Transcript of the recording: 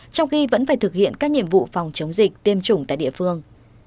trong khi vẫn phải thực hiện các nhiệm vụ phòng chống dịch tiêm chủng tại địa phương